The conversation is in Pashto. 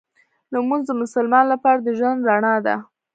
لمونځ د مسلمان لپاره د ژوند رڼا ده